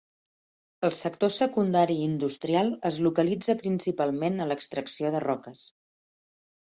El sector secundari industrial es localitza principalment a l'extracció de roques.